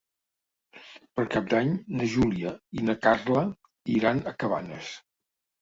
Per Cap d'Any na Júlia i na Carla iran a Cabanes.